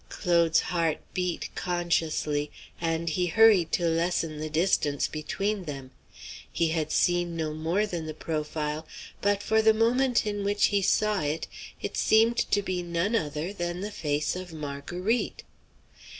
Claude's heart beat consciously, and he hurried to lessen the distance between them. He had seen no more than the profile, but for the moment in which he saw it, it seemed to be none other than the face of Marguerite!